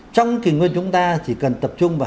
trong kỷ nguyên chúng ta chỉ cần tập trung vào